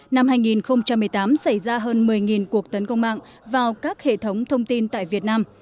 năm hai nghìn một mươi tám xảy ra hơn một mươi cuộc tấn công mạng vào các hệ thống thông tin tại việt nam